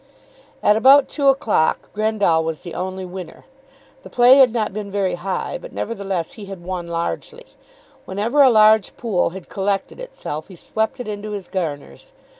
At about two o'clock Grendall was the only winner. The play had not been very high, but nevertheless he had won largely. Whenever a large pool had collected itself he swept it into his garners.